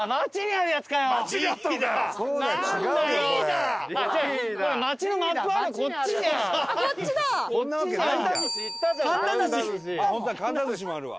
あっ本当だ神田寿司もあるわ。